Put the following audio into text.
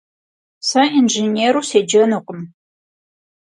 Se yinjjênêru sêcenukhım.